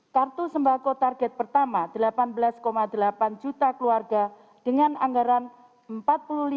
kartu sembako target pertama delapan belas delapan juta keluarga dengan anggaran rp empat puluh lima juta